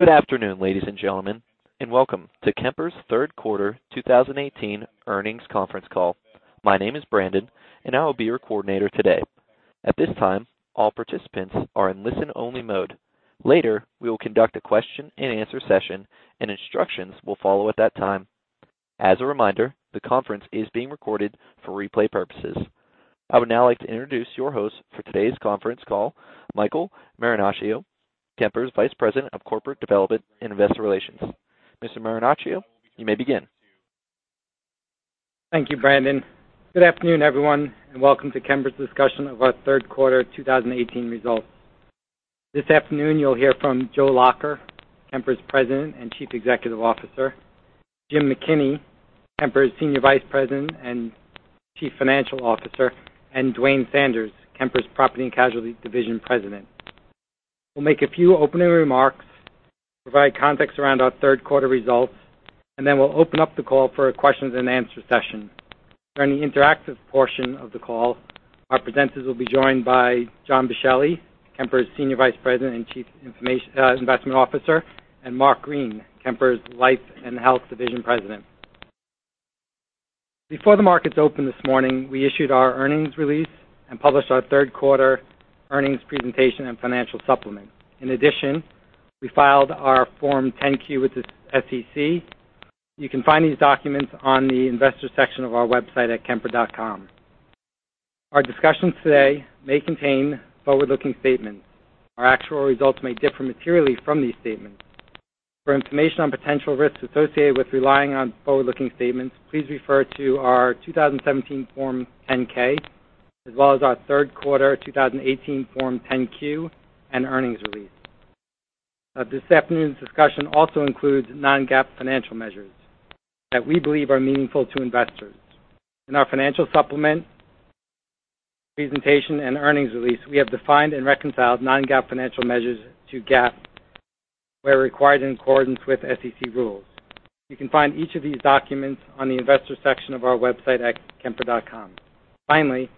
Good afternoon, ladies and gentlemen, and welcome to Kemper's third quarter 2018 earnings conference call. My name is Brandon, and I will be your coordinator today. At this time, all participants are in listen-only mode. Later, we will conduct a question-and-answer session, and instructions will follow at that time. As a reminder, the conference is being recorded for replay purposes. I would now like to introduce your host for today's conference call, Michael Marinaccio, Kemper's Vice President of Corporate Development and Investor Relations. Mr. Marinaccio, you may begin. Thank you, Brandon. Good afternoon, everyone, and welcome to Kemper's discussion of our third quarter 2018 results. This afternoon, you'll hear from Joe Lacher, Kemper's President and Chief Executive Officer, Jim McKinney, Kemper's Senior Vice President and Chief Financial Officer, and Duane Sanders, Kemper's Property and Casualty Division President. We'll make a few opening remarks, provide context around our third quarter results, and then we'll open up the call for a question-and-answer session. During the interactive portion of the call, our presenters will be joined by John Boschelli, Kemper's Senior Vice President and Chief Investment Officer, and Mark Green, Kemper's Life & Health Division President. Before the markets opened this morning, we issued our earnings release and published our third quarter earnings presentation and financial supplement. In addition, we filed our Form 10-Q with the SEC. You can find these documents on the investor section of our website at kemper.com. Our discussions today may contain forward-looking statements. Our actual results may differ materially from these statements. For information on potential risks associated with relying on forward-looking statements, please refer to our 2017 Form 10-K, as well as our third quarter 2018 Form 10-Q and earnings release. This afternoon's discussion also includes non-GAAP financial measures that we believe are meaningful to investors. In our financial supplement presentation and earnings release, we have defined and reconciled non-GAAP financial measures to GAAP where required in accordance with SEC rules. You can find each of these documents on the investor section of our website at kemper.com. Finally,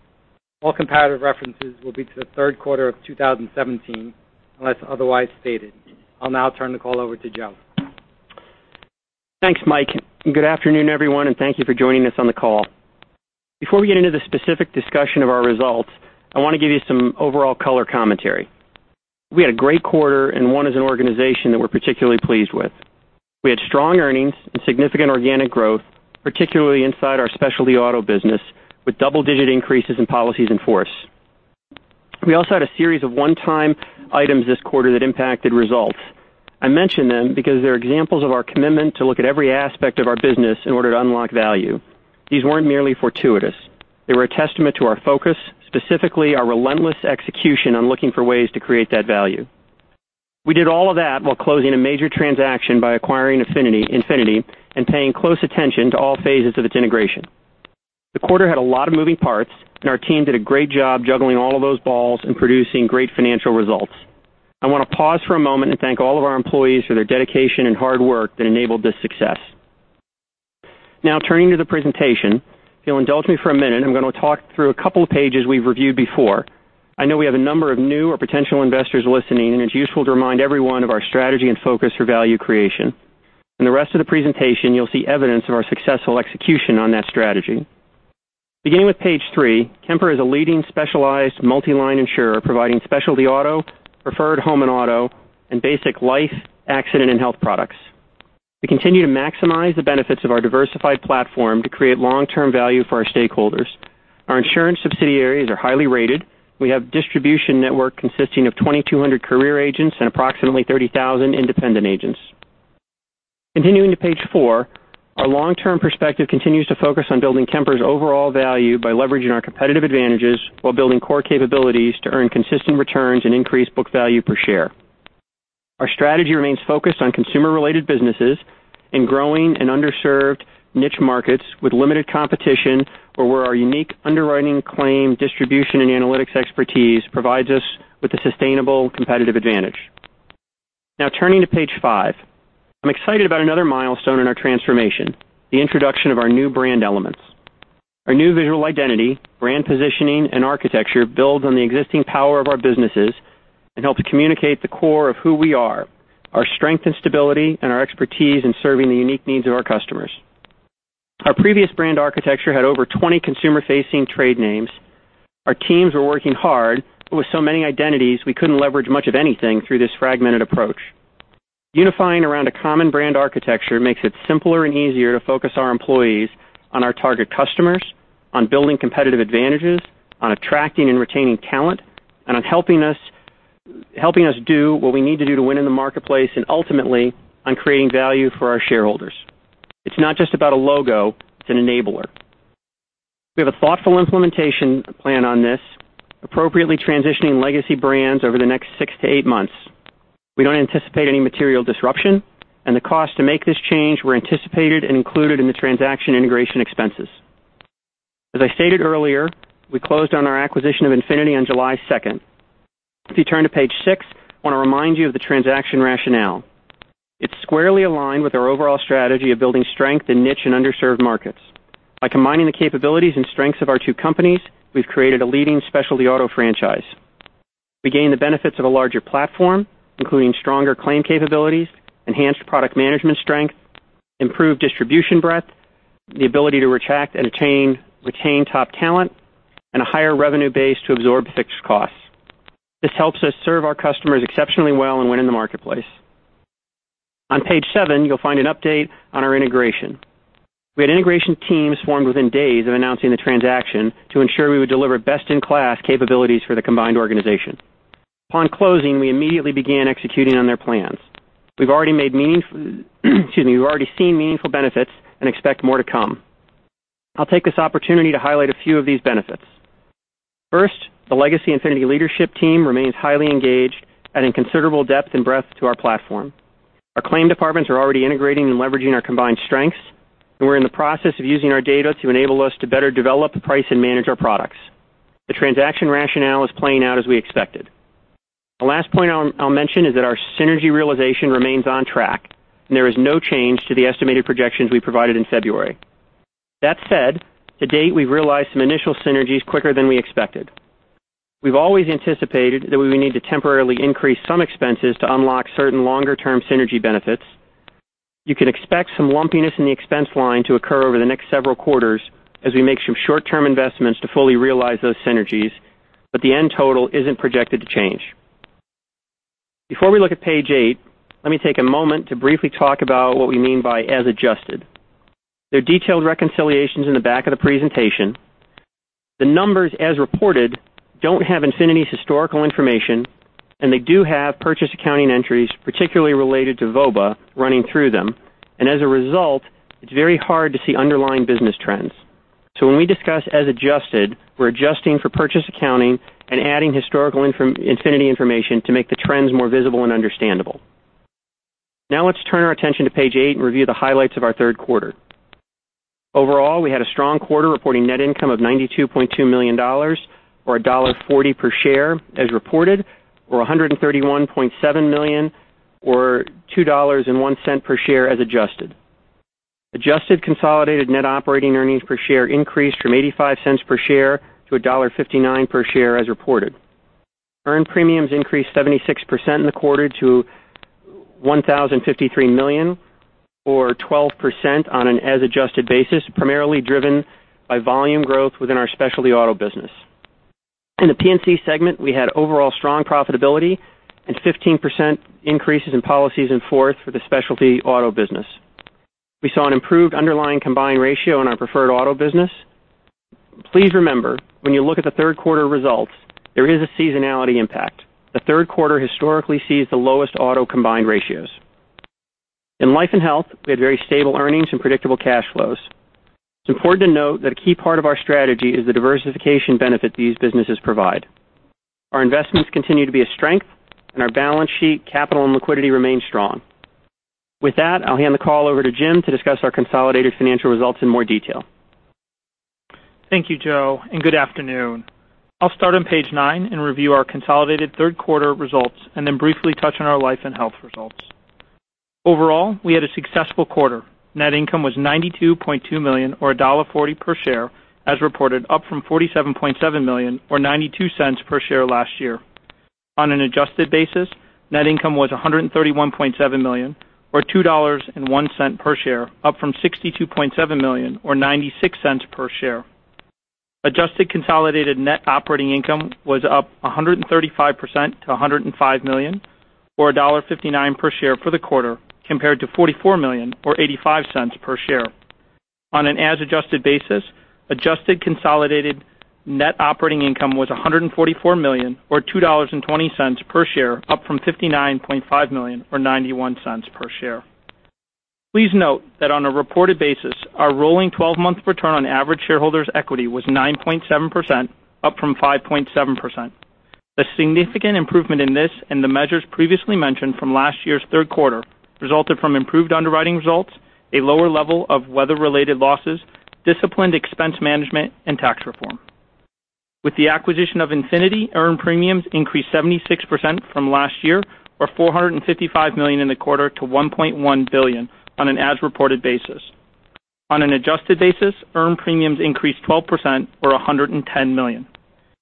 all comparative references will be to the third quarter of 2017, unless otherwise stated. I'll now turn the call over to Joe. Thanks, Mike, and good afternoon, everyone, and thank you for joining us on the call. Before we get into the specific discussion of our results, I want to give you some overall color commentary. We had a great quarter, and one as an organization that we're particularly pleased with. We had strong earnings and significant organic growth, particularly inside our specialty auto business, with double-digit increases in policies in force. We also had a series of one-time items this quarter that impacted results. I mention them because they're examples of our commitment to look at every aspect of our business in order to unlock value. These weren't merely fortuitous. They were a testament to our focus, specifically our relentless execution on looking for ways to create that value. We did all of that while closing a major transaction by acquiring Infinity and paying close attention to all phases of its integration. The quarter had a lot of moving parts, and our team did a great job juggling all of those balls and producing great financial results. I want to pause for a moment and thank all of our employees for their dedication and hard work that enabled this success. Turning to the presentation. If you'll indulge me for a minute, I'm going to talk through a couple of pages we've reviewed before. I know we have a number of new or potential investors listening, and it's useful to remind everyone of our strategy and focus for value creation. In the rest of the presentation, you'll see evidence of our successful execution on that strategy. Beginning with page three, Kemper is a leading specialized multi-line insurer providing specialty auto, preferred home and auto, and basic life, accident, and health products. We continue to maximize the benefits of our diversified platform to create long-term value for our stakeholders. Our insurance subsidiaries are highly rated. We have a distribution network consisting of 2,200 career agents and approximately 30,000 independent agents. Continuing to page four, our long-term perspective continues to focus on building Kemper's overall value by leveraging our competitive advantages while building core capabilities to earn consistent returns and increase book value per share. Our strategy remains focused on consumer-related businesses in growing and underserved niche markets with limited competition or where our unique underwriting claim distribution and analytics expertise provides us with a sustainable competitive advantage. Turning to page five. I'm excited about another milestone in our transformation, the introduction of our new brand elements. Our new visual identity, brand positioning, and architecture build on the existing power of our businesses and help to communicate the core of who we are, our strength and stability, and our expertise in serving the unique needs of our customers. Our previous brand architecture had over 20 consumer-facing trade names. Our teams were working hard, but with so many identities, we couldn't leverage much of anything through this fragmented approach. Unifying around a common brand architecture makes it simpler and easier to focus our employees on our target customers, on building competitive advantages, on attracting and retaining talent, and on helping us do what we need to do to win in the marketplace and ultimately on creating value for our shareholders. It's not just about a logo, it's an enabler. We have a thoughtful implementation plan on this, appropriately transitioning legacy brands over the next six to eight months. We don't anticipate any material disruption, the cost to make this change were anticipated and included in the transaction integration expenses. As I stated earlier, we closed on our acquisition of Infinity on July 2nd. If you turn to page six, I want to remind you of the transaction rationale. It's squarely aligned with our overall strategy of building strength in niche and underserved markets. By combining the capabilities and strengths of our two companies, we've created a leading specialty auto franchise. We gain the benefits of a larger platform, including stronger claim capabilities, enhanced product management strength, improved distribution breadth, the ability to attract and retain top talent, and a higher revenue base to absorb fixed costs. This helps us serve our customers exceptionally well and win in the marketplace. On page seven, you'll find an update on our integration. We had integration teams formed within days of announcing the transaction to ensure we would deliver best-in-class capabilities for the combined organization. Upon closing, we immediately began executing on their plans. We've already seen meaningful benefits and expect more to come. I'll take this opportunity to highlight a few of these benefits. First, the legacy Infinity leadership team remains highly engaged, adding considerable depth and breadth to our platform. Our claim departments are already integrating and leveraging our combined strengths, and we're in the process of using our data to enable us to better develop, price, and manage our products. The transaction rationale is playing out as we expected. The last point I'll mention is that our synergy realization remains on track, and there is no change to the estimated projections we provided in February. That said, to date, we've realized some initial synergies quicker than we expected. We've always anticipated that we would need to temporarily increase some expenses to unlock certain longer-term synergy benefits. You can expect some lumpiness in the expense line to occur over the next several quarters as we make some short-term investments to fully realize those synergies, but the end total isn't projected to change. Before we look at page eight, let me take a moment to briefly talk about what we mean by as adjusted. There are detailed reconciliations in the back of the presentation. The numbers, as reported, don't have Infinity's historical information, and they do have purchase accounting entries, particularly related to VOBA, running through them, and as a result, it's very hard to see underlying business trends. When we discuss as adjusted, we're adjusting for purchase accounting and adding historical Infinity information to make the trends more visible and understandable. Now let's turn our attention to page eight and review the highlights of our third quarter. Overall, we had a strong quarter reporting net income of $92.2 million, or $1.40 per share as reported, or $131.7 million, or $2.01 per share as adjusted. Adjusted consolidated net operating earnings per share increased from $0.85 per share to $1.59 per share as reported. Earned premiums increased 76% in the quarter to $1,053 million, or 12% on an as-adjusted basis, primarily driven by volume growth within our specialty auto business. In the P&C segment, we had overall strong profitability and 15% increases in policies in force for the specialty auto business. We saw an improved underlying combined ratio in our preferred auto business. Please remember, when you look at the third quarter results, there is a seasonality impact. The third quarter historically sees the lowest auto combined ratios. In life and health, we had very stable earnings and predictable cash flows. It's important to note that a key part of our strategy is the diversification benefit these businesses provide. Our investments continue to be a strength, and our balance sheet, capital, and liquidity remain strong. With that, I'll hand the call over to Jim to discuss our consolidated financial results in more detail. Thank you, Joe, and good afternoon. I'll start on page nine and review our consolidated third quarter results and then briefly touch on our Life & Health results. Overall, we had a successful quarter. Net income was $92.2 million, or $1.40 per share, as reported, up from $47.7 million or $0.92 per share last year. On an adjusted basis, net income was $131.7 million, or $2.01 per share, up from $62.7 million or $0.96 per share. Adjusted consolidated net operating income was up 135% to $105 million, or $1.59 per share for the quarter, compared to $44 million or $0.85 per share. On an as-adjusted basis, adjusted consolidated net operating income was $144 million, or $2.20 per share, up from $59.5 million or $0.91 per share. Please note that on a reported basis, our rolling 12-month return on average shareholders' equity was 9.7%, up from 5.7%. The significant improvement in this and the measures previously mentioned from last year's third quarter resulted from improved underwriting results, a lower level of weather-related losses, disciplined expense management, and tax reform. With the acquisition of Infinity, earned premiums increased 76% from last year, or $455 million in the quarter, to $1.1 billion on an as-reported basis. On an adjusted basis, earned premiums increased 12%, or $110 million.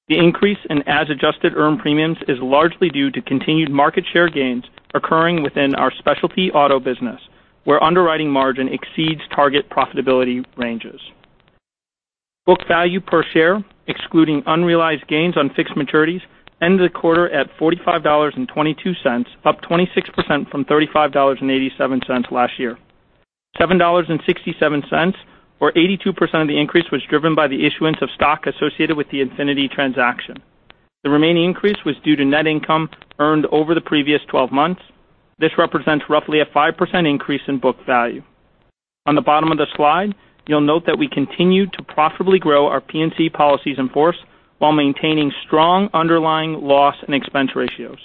The increase in as-adjusted earned premiums is largely due to continued market share gains occurring within our specialty auto business, where underwriting margin exceeds target profitability ranges. Book value per share, excluding unrealized gains on fixed maturities, ended the quarter at $45.22, up 26% from $35.87 last year. $7.67, or 82% of the increase, was driven by the issuance of stock associated with the Infinity transaction. The remaining increase was due to net income earned over the previous 12 months. This represents roughly a 5% increase in book value. On the bottom of the slide, you'll note that we continued to profitably grow our P&C policies in force while maintaining strong underlying loss and expense ratios.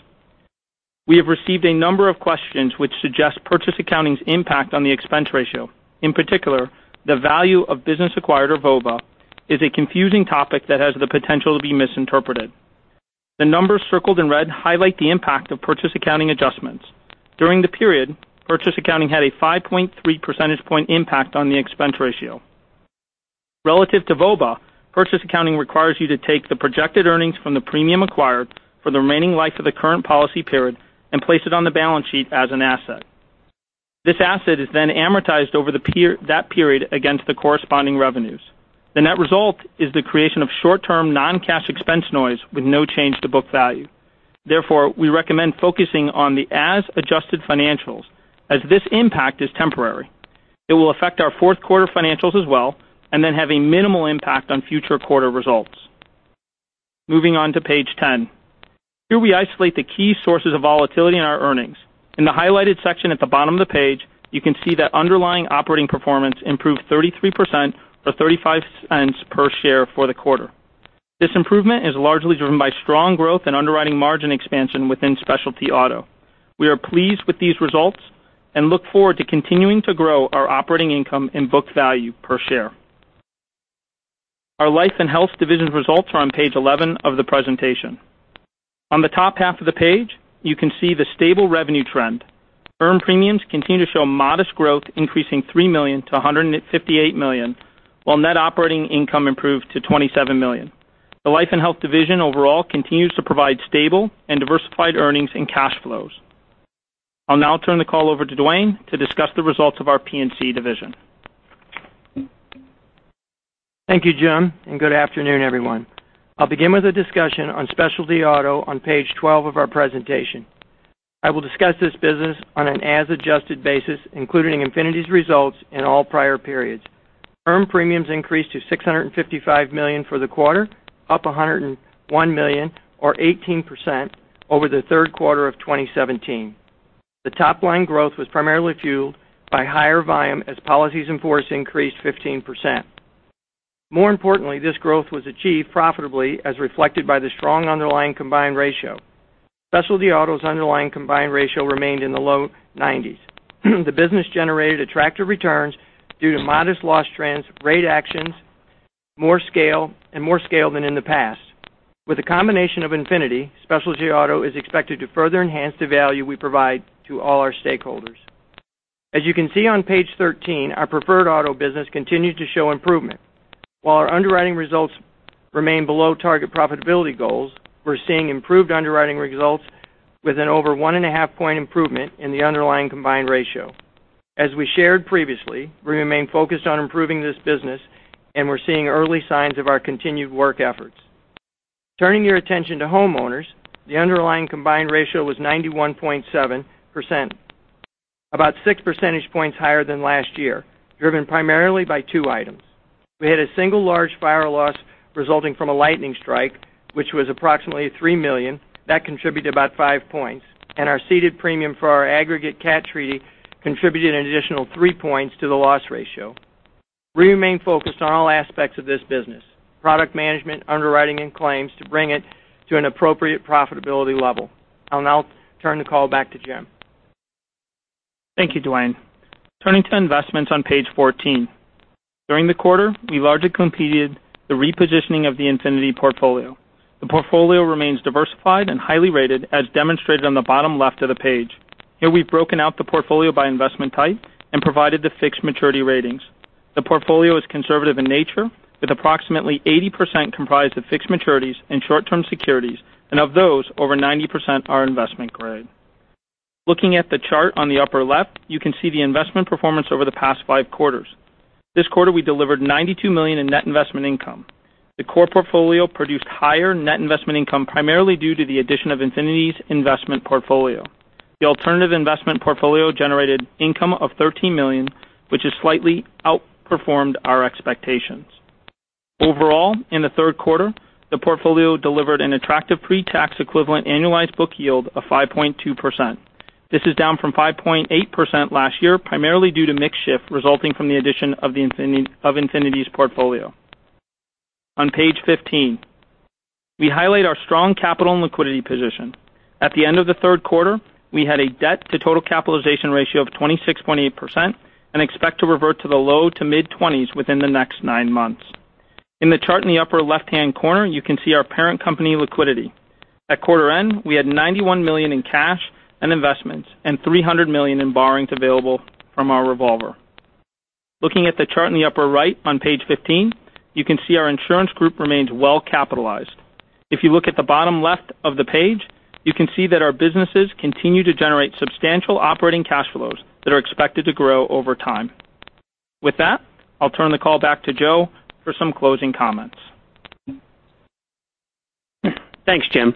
We have received a number of questions which suggest purchase accounting's impact on the expense ratio. In particular, the value of business acquired or VOBA is a confusing topic that has the potential to be misinterpreted. The numbers circled in red highlight the impact of purchase accounting adjustments. During the period, purchase accounting had a 5.3 percentage point impact on the expense ratio. Relative to VOBA, purchase accounting requires you to take the projected earnings from the premium acquired for the remaining life of the current policy period and place it on the balance sheet as an asset. This asset is then amortized over that period against the corresponding revenues. The net result is the creation of short-term non-cash expense noise with no change to book value. Therefore, we recommend focusing on the as-adjusted financials as this impact is temporary. It will affect our fourth quarter financials as well and then have a minimal impact on future quarter results. Moving on to page 10. Here we isolate the key sources of volatility in our earnings. In the highlighted section at the bottom of the page, you can see that underlying operating performance improved 33% or $0.35 per share for the quarter. This improvement is largely driven by strong growth and underwriting margin expansion within specialty auto. We are pleased with these results and look forward to continuing to grow our operating income in book value per share. Our Life & Health divisions results are on page 11 of the presentation. On the top half of the page, you can see the stable revenue trend. Earned premiums continue to show modest growth, increasing $3 million to $158 million, while net operating income improved to $27 million. The life and health division overall continues to provide stable and diversified earnings and cash flows. I'll now turn the call over to Duane to discuss the results of our P&C division. Thank you, Jim, and good afternoon, everyone. I'll begin with a discussion on specialty auto on page 12 of our presentation. I will discuss this business on an as-adjusted basis, including Infinity's results in all prior periods. Earned premiums increased to $655 million for the quarter, up $101 million or 18% over the third quarter of 2017. The top-line growth was primarily fueled by higher volume as policies in force increased 15%. More importantly, this growth was achieved profitably, as reflected by the strong underlying combined ratio. Specialty auto's underlying combined ratio remained in the low 90s. The business generated attractive returns due to modest loss trends, rate actions, and more scale than in the past. With the combination of Infinity, specialty auto is expected to further enhance the value we provide to all our stakeholders. As you can see on page 13, our preferred auto business continued to show improvement. While our underwriting results remain below target profitability goals, we're seeing improved underwriting results with an over one-and-a-half point improvement in the underlying combined ratio. As we shared previously, we remain focused on improving this business, and we're seeing early signs of our continued work efforts. Turning your attention to homeowners, the underlying combined ratio was 91.7%, about six percentage points higher than last year, driven primarily by two items. We had a single large fire loss resulting from a lightning strike, which was approximately $3 million. That contributed about five points. Our ceded premium for our aggregate cat treaty contributed an additional three points to the loss ratio. We remain focused on all aspects of this business, product management, underwriting, and claims, to bring it to an appropriate profitability level. I'll now turn the call back to Jim. Thank you, Duane. Turning to investments on page 14. During the quarter, we largely completed the repositioning of the Infinity portfolio. The portfolio remains diversified and highly rated as demonstrated on the bottom left of the page. Here we've broken out the portfolio by investment type and provided the fixed maturity ratings. The portfolio is conservative in nature, with approximately 80% comprised of fixed maturities and short-term securities, and of those, over 90% are investment grade. Looking at the chart on the upper left, you can see the investment performance over the past five quarters. This quarter, we delivered $92 million in net investment income. The core portfolio produced higher net investment income, primarily due to the addition of Infinity's investment portfolio. The alternative investment portfolio generated income of $13 million, which has slightly outperformed our expectations. Overall, in the third quarter, the portfolio delivered an attractive pre-tax equivalent annualized book yield of 5.2%. This is down from 5.8% last year, primarily due to mix shift resulting from the addition of Infinity's portfolio. On page 15, we highlight our strong capital and liquidity position. At the end of the third quarter, we had a debt to total capitalization ratio of 26.8% and expect to revert to the low to mid-20s within the next nine months. In the chart in the upper left-hand corner, you can see our parent company liquidity. At quarter end, we had $91 million in cash and investments and $300 million in borrowings available from our revolver. Looking at the chart in the upper right on page 15, you can see our insurance group remains well capitalized. If you look at the bottom left of the page, you can see that our businesses continue to generate substantial operating cash flows that are expected to grow over time. With that, I'll turn the call back to Joe for some closing comments. Thanks, Jim.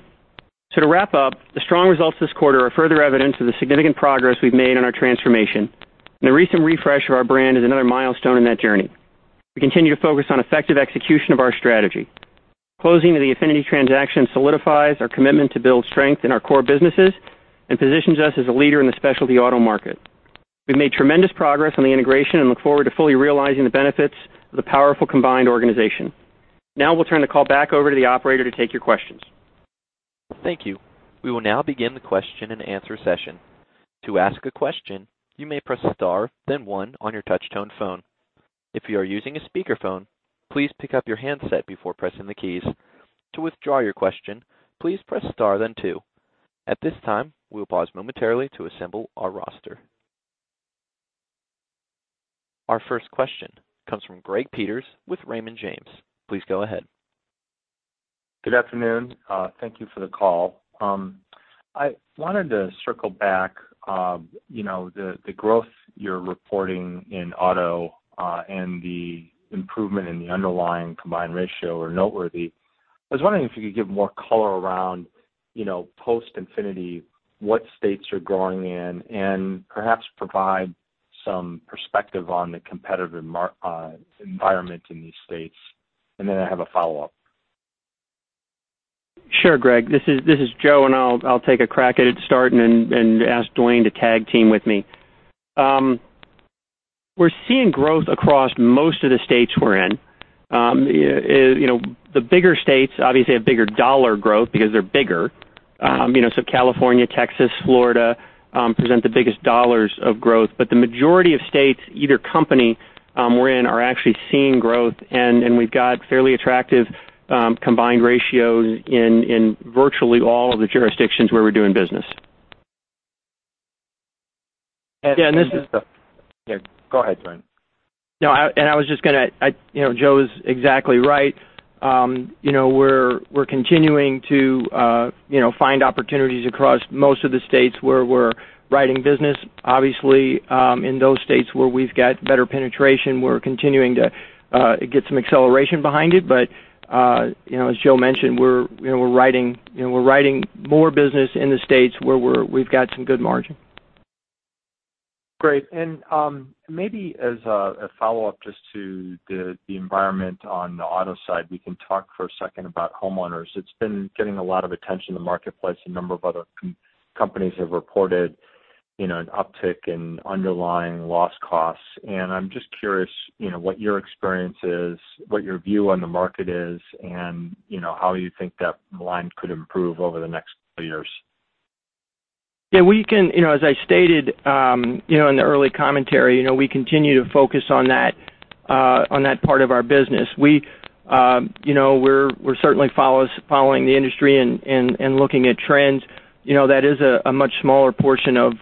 To wrap up, the strong results this quarter are further evidence of the significant progress we've made on our transformation, and the recent refresh of our brand is another milestone in that journey. We continue to focus on effective execution of our strategy. Closing of the Infinity transaction solidifies our commitment to build strength in our core businesses and positions us as a leader in the specialty auto market. We've made tremendous progress on the integration and look forward to fully realizing the benefits of the powerful combined organization. Now we'll turn the call back over to the operator to take your questions. Thank you. We will now begin the question-and-answer session. To ask a question, you may press star then one on your touchtone phone. If you are using a speakerphone, please pick up your handset before pressing the keys. To withdraw your question, please press star then two. At this time, we'll pause momentarily to assemble our roster. Our first question comes from Greg Peters with Raymond James. Please go ahead. Good afternoon. Thank you for the call. I wanted to circle back. The growth you're reporting in auto and the improvement in the underlying combined ratio are noteworthy. I was wondering if you could give more color around post-Infinity, what states you're growing in, and perhaps provide some perspective on the competitive environment in these states. I have a follow-up. Sure, Greg. This is Joe, and I'll take a crack at it to start and ask Duane to tag team with me. We're seeing growth across most of the states we're in. The bigger states obviously have bigger dollar growth because they're bigger. California, Texas, Florida present the biggest dollars of growth. The majority of states, either company we're in, are actually seeing growth, and we've got fairly attractive combined ratios in virtually all of the jurisdictions where we're doing business. Yeah. Go ahead, Duane. No, Joe's exactly right. We're continuing to find opportunities across most of the states where we're writing business. Obviously, in those states where we've got better penetration, we're continuing to get some acceleration behind it. As Joe mentioned, we're writing more business in the States where we've got some good margin. Great. Maybe as a follow-up just to the environment on the auto side, we can talk for a second about homeowners. It's been getting a lot of attention in the marketplace. A number of other companies have reported an uptick in underlying loss costs. I'm just curious what your experience is, what your view on the market is, and how you think that line could improve over the next couple of years. As I stated in the early commentary, we continue to focus on that part of our business. We're certainly following the industry and looking at trends. That is a much smaller portion of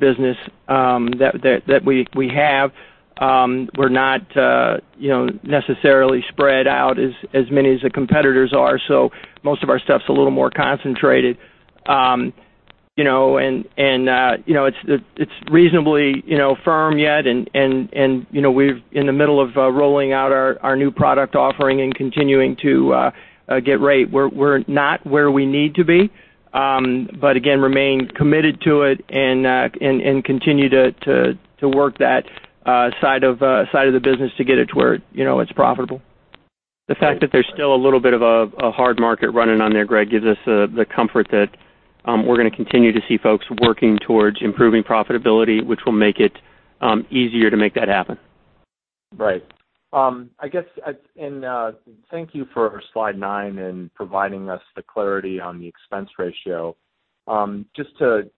business that we have. We're not necessarily spread out as many as the competitors are, most of our stuff's a little more concentrated. It's reasonably firm yet, we're in the middle of rolling out our new product offering and continuing to get rate. We're not where we need to be, again, remain committed to it and continue to work that side of the business to get it to where it's profitable. The fact that there's still a little bit of a hard market running on there, Greg, gives us the comfort that we're going to continue to see folks working towards improving profitability, which will make it easier to make that happen. Right. Thank you for slide nine and providing us the clarity on the expense ratio. Just to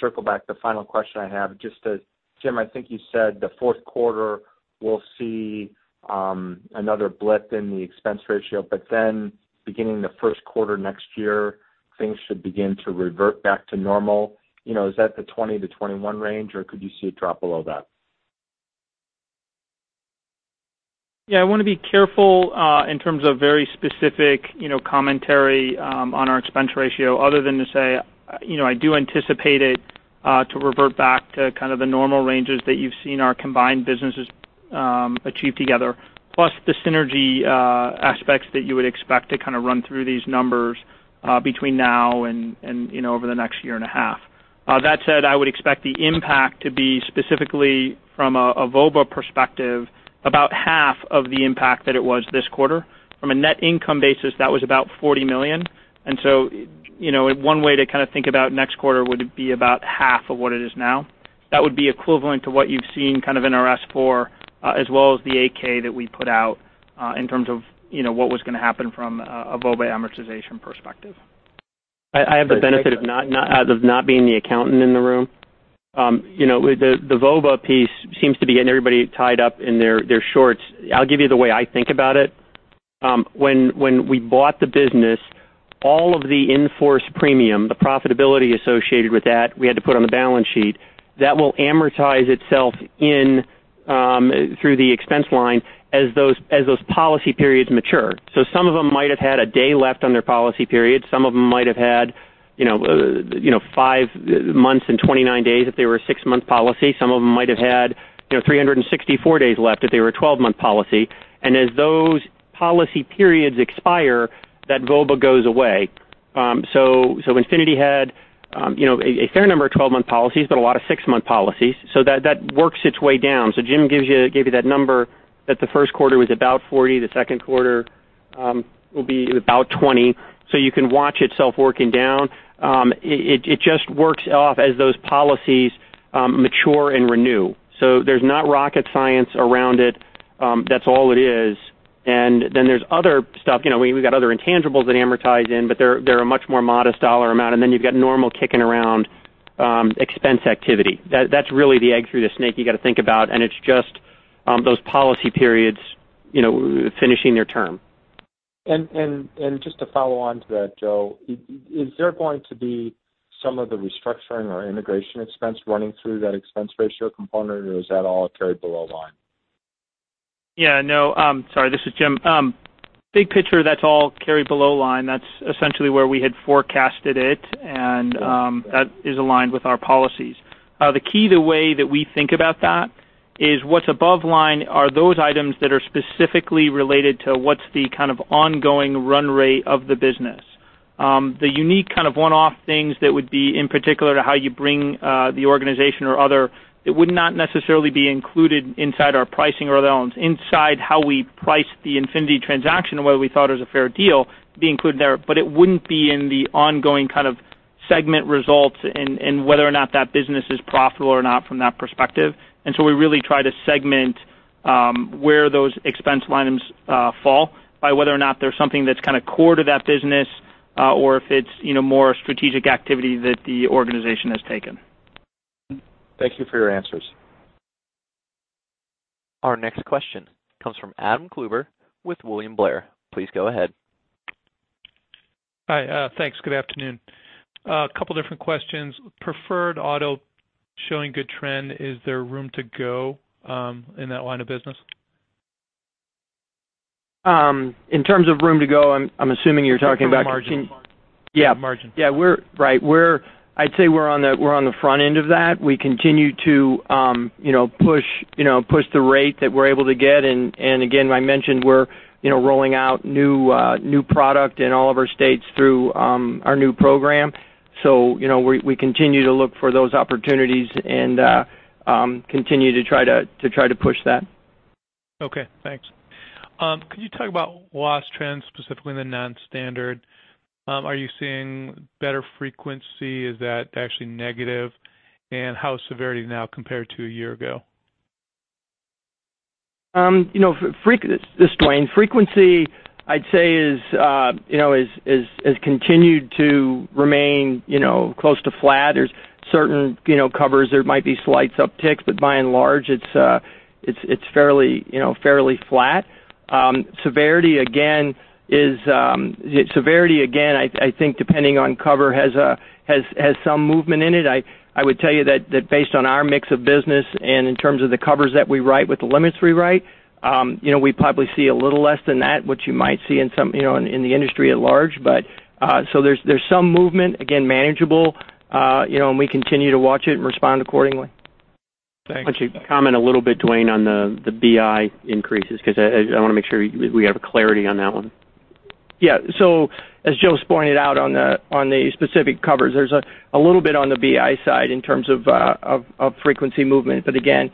circle back, the final question I have. Jim, I think you said the fourth quarter will see another blip in the expense ratio. Beginning the first quarter next year, things should begin to revert back to normal. Is that the 20%-21% range, or could you see a drop below that? Yeah, I want to be careful in terms of very specific commentary on our expense ratio other than to say I do anticipate it to revert back to kind of the normal ranges that you've seen our combined businesses achieve together, plus the synergy aspects that you would expect to kind of run through these numbers between now and over the next year and a half. That said, I would expect the impact to be specifically from a VOBA perspective, about half of the impact that it was this quarter. From a net income basis, that was about $40 million. One way to kind of think about next quarter would it be about half of what it is now. That would be equivalent to what you've seen kind of in our S4 as well as the 8-K that we put out in terms of what was going to happen from a VOBA amortization perspective. I have the benefit of not being the accountant in the room. The VOBA piece seems to be getting everybody tied up in their shorts. I'll give you the way I think about it. When we bought the business, all of the in-force premium, the profitability associated with that, we had to put on the balance sheet. That will amortize itself in through the expense line as those policy periods mature. Some of them might have had a day left on their policy period. Some of them might have had 5 months and 29 days if they were a 6-month policy. Some of them might have had 364 days left if they were a 12-month policy. As those policy periods expire, that VOBA goes away. Infinity had a fair number of 12-month policies, but a lot of 6-month policies. That works its way down. Jim gave you that number that the first quarter was about $40, the second quarter will be about $20. You can watch itself working down. It just works off as those policies mature and renew. There's not rocket science around it. That's all it is. Then there's other stuff. We've got other intangibles that amortize in, but they're a much more modest dollar amount. Then you've got normal kicking around Expense activity. That's really the egg through the snake you got to think about, and it's just those policy periods finishing their term. Just to follow on to that, Joe, is there going to be some of the restructuring or integration expense running through that expense ratio component, or is that all carried below line? Sorry, this is Jim. Big picture, that's all carried below line. That's essentially where we had forecasted it, and that is aligned with our policies. The key, the way that we think about that is what's above line are those items that are specifically related to what's the kind of ongoing run rate of the business. The unique kind of one-off things that would be in particular to how you bring the organization or other, it would not necessarily be included inside our pricing or the loads. Inside how we price the Infinity transaction and what we thought it was a fair deal be included there, but it wouldn't be in the ongoing kind of segment results and whether or not that business is profitable or not from that perspective. We really try to segment where those expense line items fall by whether or not there's something that's kind of core to that business or if it's more strategic activity that the organization has taken. Thank you for your answers. Our next question comes from Adam Klauber with William Blair. Please go ahead. Hi. Thanks. Good afternoon. A couple different questions. Preferred auto showing good trend. Is there room to go in that line of business? In terms of room to go, I'm assuming you're talking about- In terms of margin. Yeah. Margin. Yeah. I'd say we're on the front end of that. We continue to push the rate that we're able to get, and again, I mentioned we're rolling out new product in all of our states through our new program. We continue to look for those opportunities and continue to try to push that. Okay, thanks. Could you talk about loss trends, specifically in the non-standard? Are you seeing better frequency? Is that actually negative? How is severity now compared to a year ago? This is Duane. Frequency, I'd say has continued to remain close to flat. There's certain covers there might be slight upticks, but by and large, it's fairly flat. Severity, again, I think depending on cover has some movement in it. I would tell you that based on our mix of business and in terms of the covers that we write with the limits we write, we probably see a little less than that, which you might see in the industry at large. There's some movement, again, manageable, and we continue to watch it and respond accordingly. Thanks. Why don't you comment a little bit, Duane, on the BI increases, because I want to make sure we have clarity on that one. Yeah. As Joe's pointed out on the specific covers, there's a little bit on the BI side in terms of frequency movement. Again,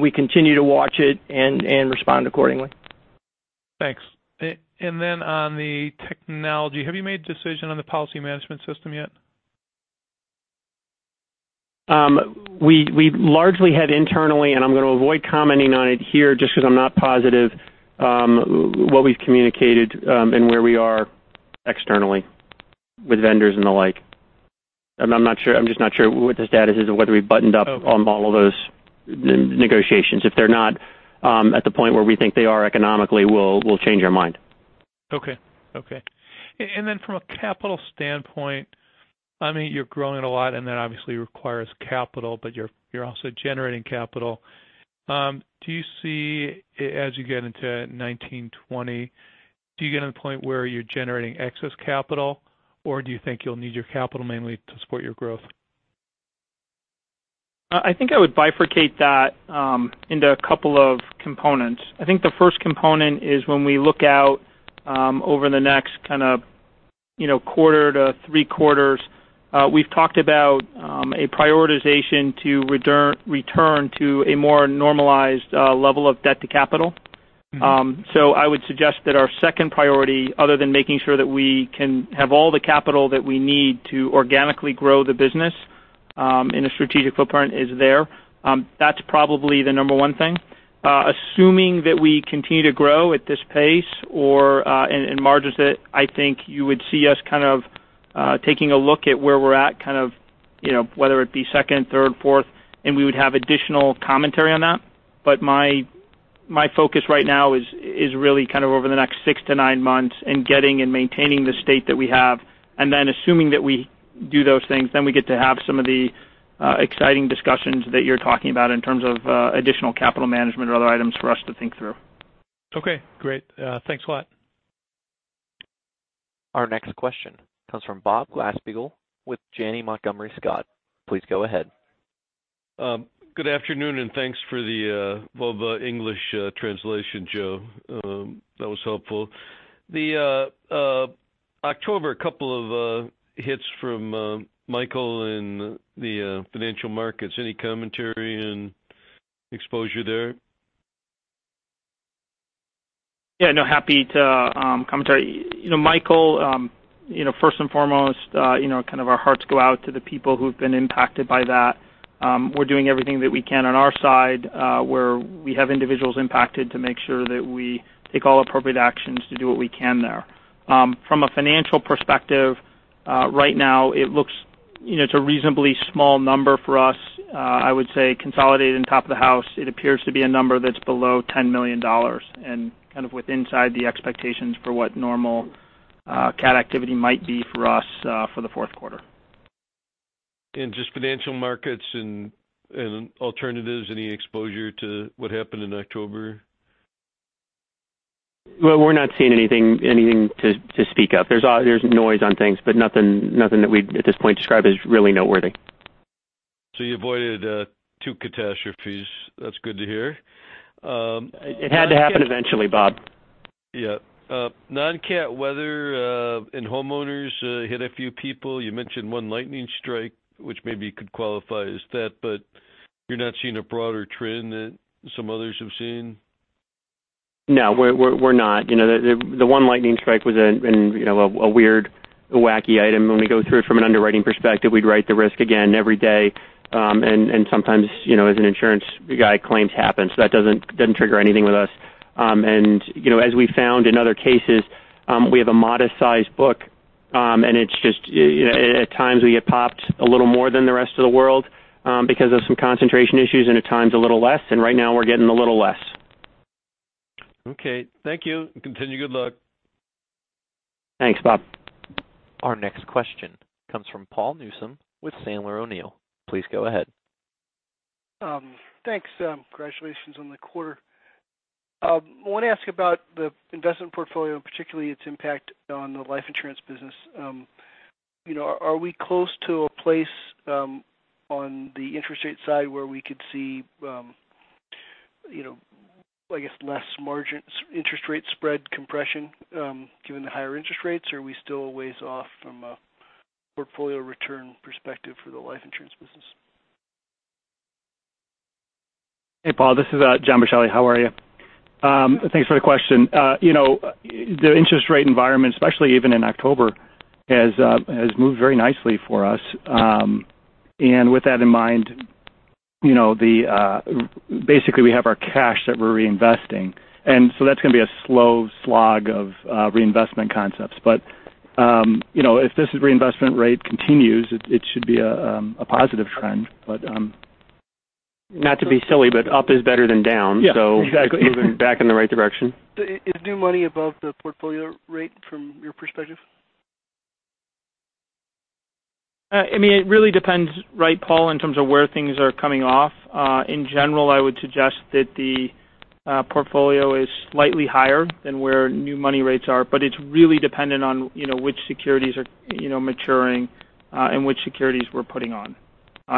we continue to watch it and respond accordingly. Thanks. Then on the technology, have you made a decision on the policy management system yet? We largely have internally. I'm going to avoid commenting on it here just because I'm not positive what we've communicated and where we are externally with vendors and the like. I'm just not sure what the status is or whether we buttoned up on all of those negotiations. If they're not at the point where we think they are economically, we'll change our mind. Okay. Then from a capital standpoint, you're growing a lot, and that obviously requires capital, but you're also generating capital. Do you see as you get into 2019, 2020, do you get to the point where you're generating excess capital, or do you think you'll need your capital mainly to support your growth? I think I would bifurcate that into a couple of components. I think the first component is when we look out over the next kind of quarter to three quarters, we've talked about a prioritization to return to a more normalized level of debt to capital. I would suggest that our second priority, other than making sure that we can have all the capital that we need to organically grow the business in a strategic footprint is there. That's probably the number one thing. Assuming that we continue to grow at this pace or in margins that I think you would see us kind of taking a look at where we're at, whether it be second, third, fourth, and we would have additional commentary on that. My focus right now is really kind of over the next six to nine months and getting and maintaining the state that we have. Assuming that we do those things, we get to have some of the exciting discussions that you're talking about in terms of additional capital management or other items for us to think through. Okay. Great. Thanks a lot. Our next question comes from Bob Glasspiegel with Janney Montgomery Scott. Please go ahead. Good afternoon, thanks for the English translation, Joe. That was helpful. The October couple of hits from Hurricane Michael and the financial markets. Any commentary and exposure there? Yeah, happy to comment. Michael, first and foremost, our hearts go out to the people who've been impacted by that. We're doing everything that we can on our side where we have individuals impacted to make sure that we take all appropriate actions to do what we can there. From a financial perspective, right now it's a reasonably small number for us. I would say consolidated and top of the house, it appears to be a number that's below $10 million and kind of with inside the expectations for what normal cat activity might be for us for the fourth quarter. Just financial markets and alternatives. Any exposure to what happened in October? Well, we're not seeing anything to speak of. There's noise on things, but nothing that we'd, at this point, describe as really noteworthy. You avoided two catastrophes. That's good to hear. It had to happen eventually, Bob. Yeah. Non-cat weather and homeowners hit a few people. You mentioned one lightning strike, which maybe could qualify as that, you're not seeing a broader trend that some others have seen? No, we're not. The one lightning strike was a weird, wacky item. When we go through it from an underwriting perspective, we'd write the risk again every day. Sometimes, as an insurance guy, claims happen, so that doesn't trigger anything with us. As we found in other cases, we have a modest-sized book, at times we get popped a little more than the rest of the world because of some concentration issues, at times a little less. Right now we're getting a little less. Okay. Thank you, continue good luck. Thanks, Bob. Our next question comes from Paul Newsome with Sandler O'Neill. Please go ahead. Thanks. Congratulations on the quarter. I want to ask about the investment portfolio, and particularly its impact on the life insurance business. Are we close to a place on the interest rate side where we could see, I guess, less interest rate spread compression, given the higher interest rates? Are we still a ways off from a portfolio return perspective for the life insurance business? Hey, Paul, this is John Boschelli. How are you? Thanks for the question. The interest rate environment, especially even in October, has moved very nicely for us. With that in mind, basically we have our cash that we're reinvesting. So that's going to be a slow slog of reinvestment concepts. If this reinvestment rate continues, it should be a positive trend. Not to be silly, but up is better than down. Yeah, exactly. It's moving back in the right direction. Is new money above the portfolio rate from your perspective? It really depends, right, Paul, in terms of where things are coming off. In general, I would suggest that the portfolio is slightly higher than where new money rates are, but it's really dependent on which securities are maturing and which securities we're putting on.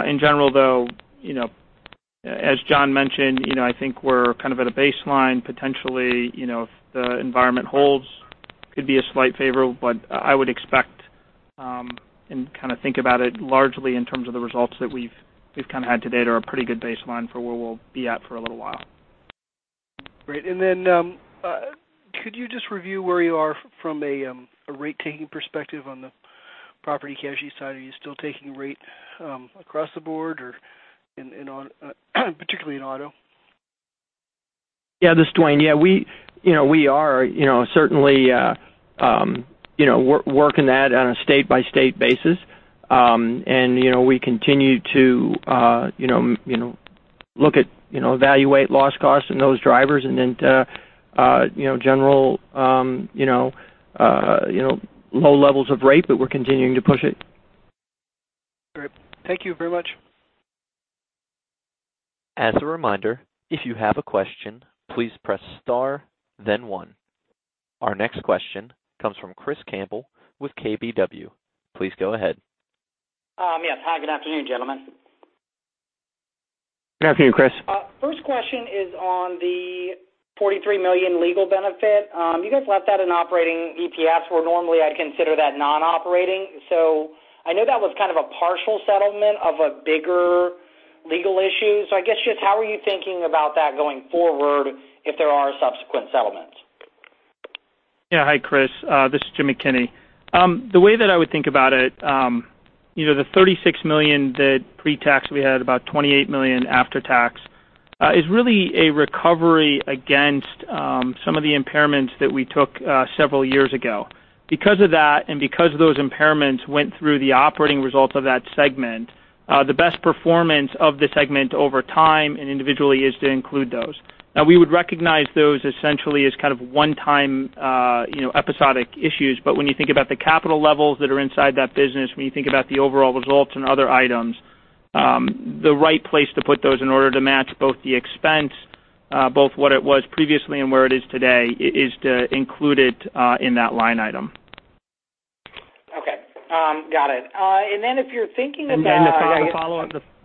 In general, though, as John mentioned, I think we're kind of at a baseline, potentially. If the environment holds, could be a slight favor, but I would expect, and kind of think about it largely in terms of the results that we've kind of had to date are a pretty good baseline for where we'll be at for a little while. Great. Could you just review where you are from a rate-taking perspective on the property casualty side? Are you still taking rate across the board, particularly in auto? Yeah, this is Duane. Yeah, we are certainly working that on a state-by-state basis. We continue to evaluate loss costs and those drivers, and then general low levels of rate, but we're continuing to push it. Great. Thank you very much. As a reminder, if you have a question, please press star then one. Our next question comes from Christopher Campbell with KBW. Please go ahead. Yes. Hi, good afternoon, gentlemen. Good afternoon, Chris. First question is on the $43 million legal benefit. You guys left that in operating EPS, where normally I'd consider that non-operating. I know that was kind of a partial settlement of a bigger legal issue. I guess just how are you thinking about that going forward if there are subsequent settlements? Yeah. Hi, Chris. This is Jim McKinney. The way that I would think about it, the $36 million pre-tax we had, about $28 million after tax, is really a recovery against some of the impairments that we took several years ago. Because of that, and because those impairments went through the operating results of that segment, the best performance of the segment over time and individually is to include those. Now we would recognize those essentially as kind of one-time episodic issues. When you think about the capital levels that are inside that business, when you think about the overall results and other items, the right place to put those in order to match both the expense, both what it was previously and where it is today, is to include it in that line item. Got it. If you're thinking about-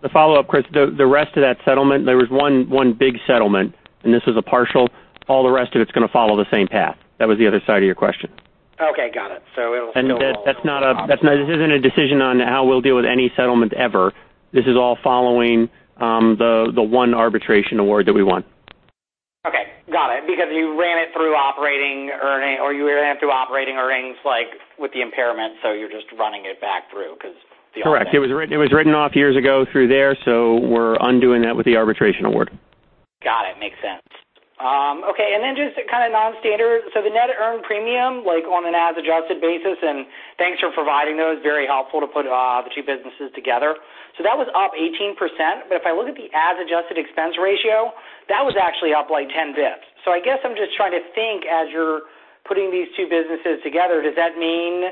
The follow-up, Chris, the rest of that settlement, there was one big settlement, and this is a partial. All the rest of it's going to follow the same path. That was the other side of your question. Got it. It'll- This isn't a decision on how we'll deal with any settlement ever. This is all following the one arbitration award that we won. Got it. You ran it through operating earnings, like with the impairment, you're just running it back through because. Correct. It was written off years ago through there, we're undoing that with the arbitration award. Makes sense. Just kind of non-standard. The net earned premium, on an as-adjusted basis, thanks for providing those. Very helpful to put the two businesses together. That was up 18%, if I look at the as-adjusted expense ratio, that was actually up 10 basis points. I guess I'm just trying to think, as you're putting these two businesses together, does that mean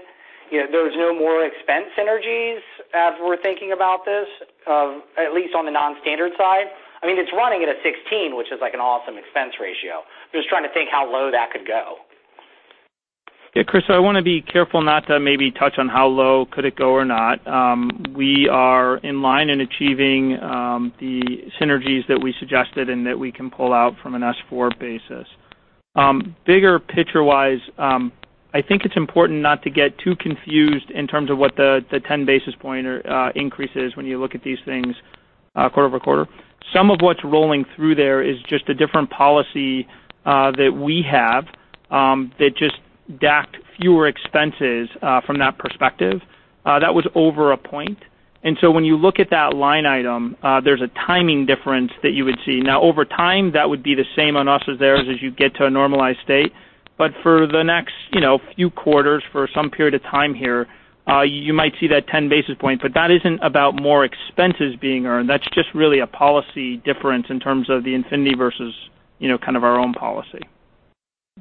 there's no more expense synergies as we're thinking about this, at least on the non-standard side? I mean, it's running at a 16, which is like an awesome expense ratio. Just trying to think how low that could go. Yeah, Chris, I want to be careful not to maybe touch on how low could it go or not. We are in line in achieving the synergies that we suggested and that we can pull out from an S4 basis. Bigger picture-wise, I think it's important not to get too confused in terms of what the 10 basis point increase is when you look at these things quarter-over-quarter. Some of what's rolling through there is just a different policy that we have, that just docked fewer expenses from that perspective. That was over a point, when you look at that line item, there's a timing difference that you would see. Over time, that would be the same on us as theirs as you get to a normalized state. For the next few quarters, for some period of time here, you might see that 10 basis point, that isn't about more expenses being earned. That's just really a policy difference in terms of the Infinity versus kind of our own policy,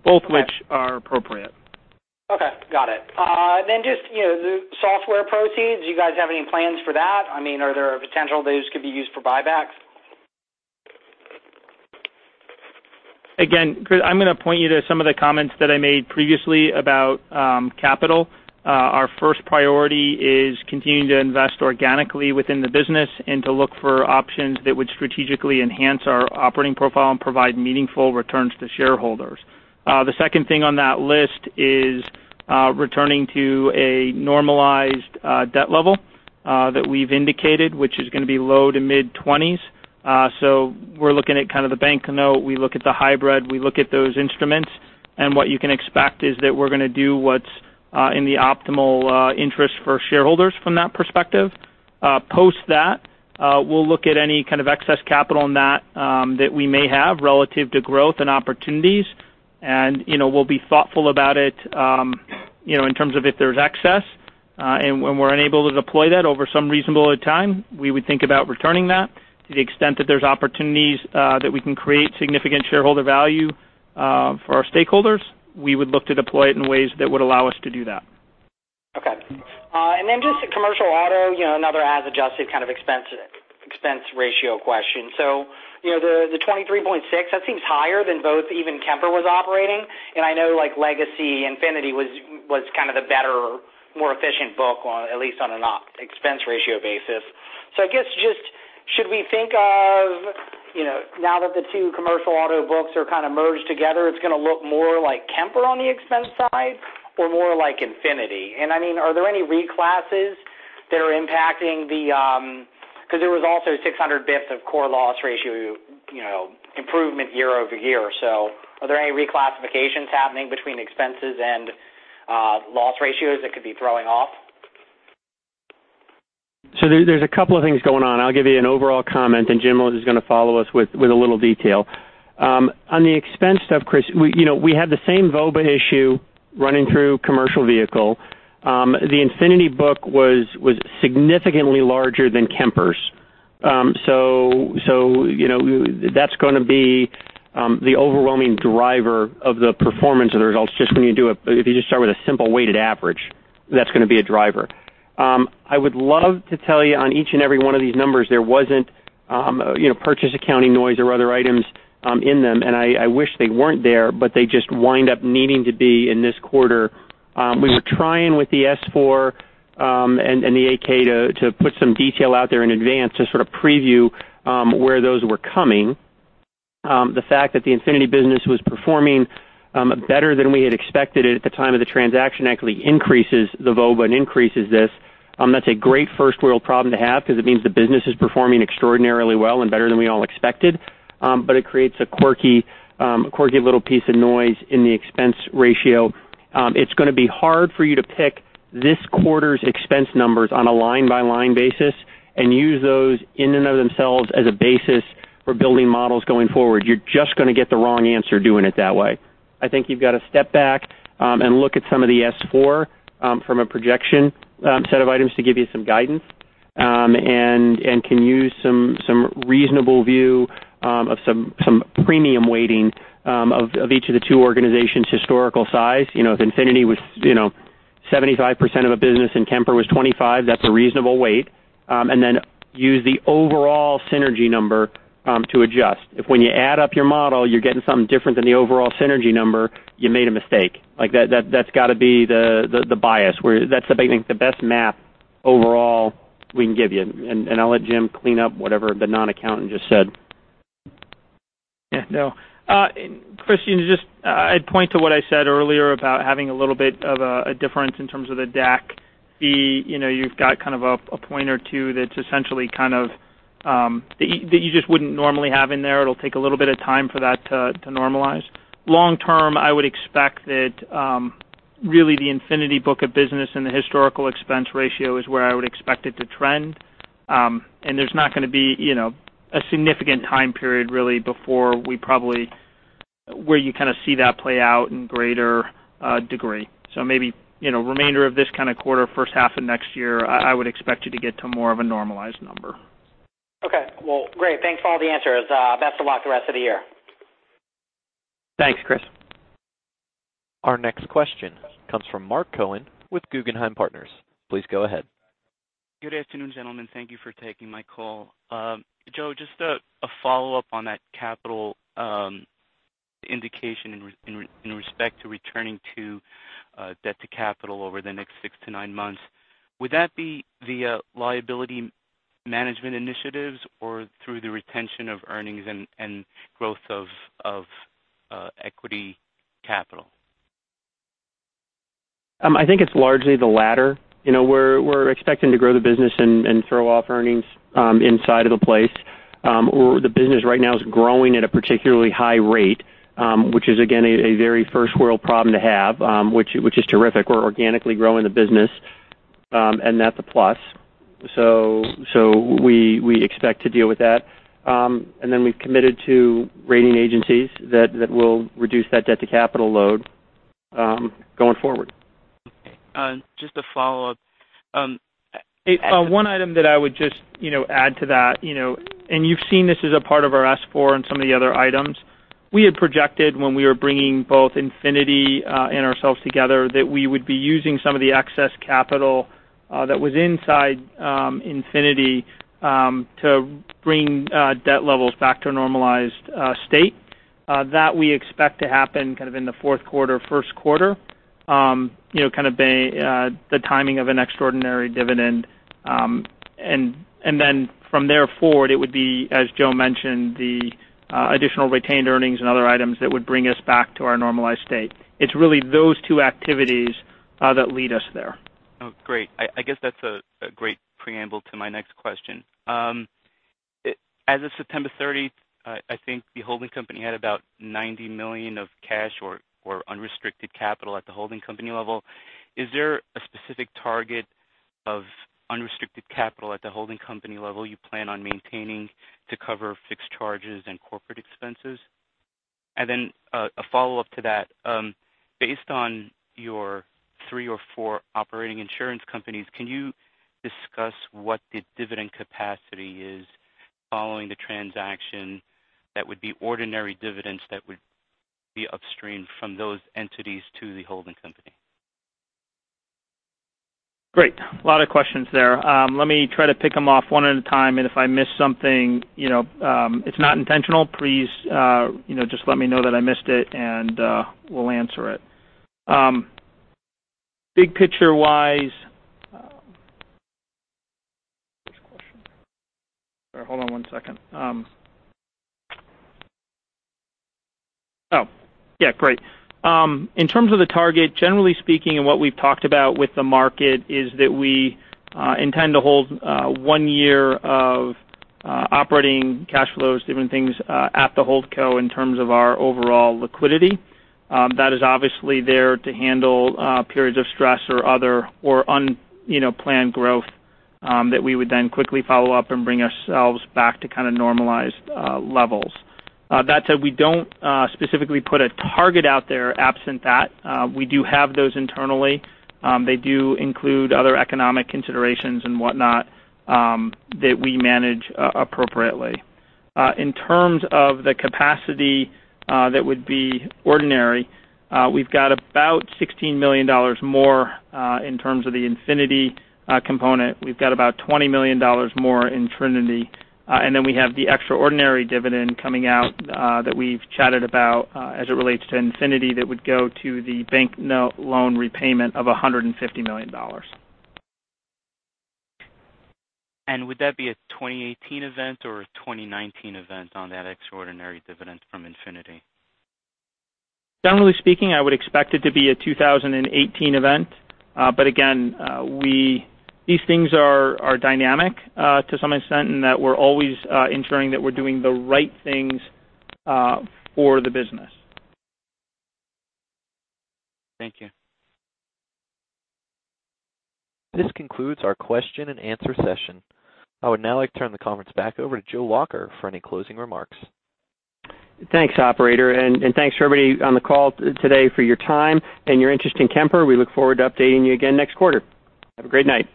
both which are appropriate. Okay. Got it. Just the software proceeds. You guys have any plans for that? I mean, are there potential those could be used for buybacks? Again, Chris, I'm going to point you to some of the comments that I made previously about capital. Our first priority is continuing to invest organically within the business and to look for options that would strategically enhance our operating profile and provide meaningful returns to shareholders. The second thing on that list is returning to a normalized debt level that we've indicated, which is going to be low to mid-20s. We're looking at kind of the bank note. We look at the hybrid. We look at those instruments. What you can expect is that we're going to do what's in the optimal interest for shareholders from that perspective. Post that, we'll look at any kind of excess capital that we may have relative to growth and opportunities, and we'll be thoughtful about it, in terms of if there's excess. When we're unable to deploy that over some reasonable time, we would think about returning that to the extent that there's opportunities that we can create significant shareholder value for our stakeholders. We would look to deploy it in ways that would allow us to do that. Just commercial auto, another as-adjusted kind of expense ratio question. The 23.6%, that seems higher than both even Kemper was operating. I know like legacy Infinity was kind of the better, more efficient book, at least on an expense ratio basis. I guess just should we think of now that the two commercial auto books are kind of merged together, it's going to look more like Kemper on the expense side or more like Infinity? Are there any reclasses that are impacting the-- because there was also 600 basis points of core loss ratio improvement year-over-year. Are there any reclassifications happening between expenses and loss ratios that could be throwing off? There's a couple of things going on. I'll give you an overall comment, and Jim is going to follow us with a little detail. On the expense stuff, Chris, we had the same VOBA issue running through commercial vehicle. The Infinity book was significantly larger than Kemper's. That's going to be the overwhelming driver of the performance of the results. If you just start with a simple weighted average, that's going to be a driver. I would love to tell you on each and every one of these numbers, there wasn't purchase accounting noise or other items in them, and I wish they weren't there, but they just wind up needing to be in this quarter. We were trying with the S4, and the 8-K to put some detail out there in advance to sort of preview where those were coming. The fact that the Infinity business was performing better than we had expected it at the time of the transaction actually increases the VOBA and increases this. That's a great first-world problem to have because it means the business is performing extraordinarily well and better than we all expected, but it creates a quirky little piece of noise in the expense ratio. It's going to be hard for you to pick this quarter's expense numbers on a line-by-line basis and use those in and of themselves as a basis for building models going forward. You're just going to get the wrong answer doing it that way. I think you've got to step back and look at some of the S4 from a projection set of items to give you some guidance, and can use some reasonable view of some premium weighting of each of the two organizations' historical size. If Infinity was 75% of a business and Kemper was 25, that's a reasonable weight. Then use the overall synergy number to adjust. If when you add up your model, you're getting something different than the overall synergy number, you made a mistake. That's got to be the bias where that's the best math overall we can give you. I'll let Jim clean up whatever the non-accountant just said. Yeah. No. Chris, I'd point to what I said earlier about having a little bit of a difference in terms of the DAC. You've got kind of a point or two that you just wouldn't normally have in there. It'll take a little bit of time for that to normalize. Long term, I would expect that really the Infinity book of business and the historical expense ratio is where I would expect it to trend. There's not going to be a significant time period, really, before where you kind of see that play out in greater degree. So maybe remainder of this kind of quarter, first half of next year, I would expect you to get to more of a normalized number. Okay. Well, great. Thanks for all the answers. Best of luck the rest of the year. Thanks, Chris. Our next question comes from Marc Cohen with Guggenheim Partners. Please go ahead. Good afternoon, gentlemen. Thank you for taking my call. Joe, just a follow-up on that capital indication in respect to returning to debt to capital over the next six to nine months. Would that be via liability management initiatives or through the retention of earnings and growth of equity capital? I think it's largely the latter. We're expecting to grow the business and throw off earnings inside of the place. The business right now is growing at a particularly high rate, which is again, a very first-world problem to have, which is terrific. We're organically growing the business, and that's a plus. We expect to deal with that. We've committed to rating agencies that we'll reduce that debt to capital load going forward. Okay. Just a follow-up. One item that I would just add to that, and you've seen this as a part of our S4 and some of the other items. We had projected when we were bringing both Infinity and ourselves together, that we would be using some of the excess capital that was inside Infinity to bring debt levels back to a normalized state. That we expect to happen kind of in the fourth quarter, first quarter. Kind of the timing of an extraordinary dividend. Then from there forward, it would be, as Joe mentioned, the additional retained earnings and other items that would bring us back to our normalized state. It's really those two activities that lead us there. Oh, great. I guess that's a great preamble to my next question. As of September 30, I think the holding company had about $90 million of cash or unrestricted capital at the holding company level. Is there a specific target of unrestricted capital at the holding company level you plan on maintaining to cover fixed charges and corporate expenses? Then a follow-up to that. Based on your three or four operating insurance companies, can you discuss what the dividend capacity is following the transaction that would be ordinary dividends that would be upstreamed from those entities to the holding company? Great. A lot of questions there. Let me try to pick them off one at a time, and if I miss something, it's not intentional. Please just let me know that I missed it and we'll answer it. Big picture-wise. First question. Hold on one second. Oh. Yeah, great. In terms of the target, generally speaking and what we've talked about with the market is that we intend to hold one year of operating cash flows, different things at the holdco in terms of our overall liquidity. That is obviously there to handle periods of stress or other unplanned growth that we would then quickly follow up and bring ourselves back to kind of normalized levels. That said, we don't specifically put a target out there absent that. We do have those internally. They do include other economic considerations and whatnot that we manage appropriately. In terms of the capacity that would be ordinary, we've got about $16 million more in terms of the Infinity component. We've got about $20 million more in Trinity. Then we have the extraordinary dividend coming out that we've chatted about as it relates to Infinity that would go to the bank note loan repayment of $150 million. Would that be a 2018 event or a 2019 event on that extraordinary dividend from Infinity? Generally speaking, I would expect it to be a 2018 event. Again, these things are dynamic to some extent in that we're always ensuring that we're doing the right things for the business. Thank you. This concludes our question and answer session. I would now like to turn the conference back over to Joe Lacher for any closing remarks. Thanks, operator, thanks for everybody on the call today for your time and your interest in Kemper. We look forward to updating you again next quarter. Have a great night.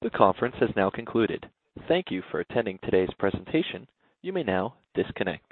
The conference has now concluded. Thank you for attending today's presentation. You may now disconnect.